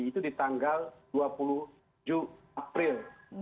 itu di tanggal dua puluh tujuh april dua ribu dua puluh satu